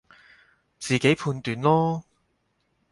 自己判斷囉